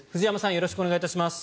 よろしくお願いします。